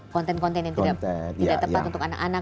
konten konten yang tidak tepat untuk anak anak